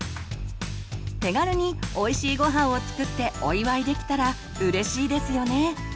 手軽においしいごはんを作ってお祝いできたらうれしいですよね。